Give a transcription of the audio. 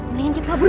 mendingan kita kabur